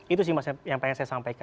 itu sih yang ingin saya sampaikan